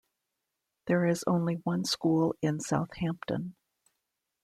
There is only one school in South Hampton.